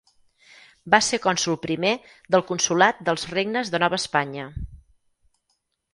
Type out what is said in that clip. Va ser cònsol primer del consolat dels Regnes de Nova Espanya.